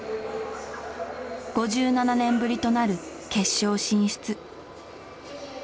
５７年ぶりとなる決勝進出。